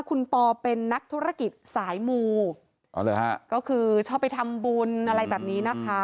คุณปอเป็นนักธุรกิจสายมูอ๋อเหรอฮะก็คือชอบไปทำบุญอะไรแบบนี้นะคะ